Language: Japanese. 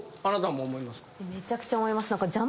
あなたも思いますか？